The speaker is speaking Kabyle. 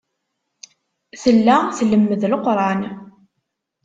Tella tlemmed Leqran.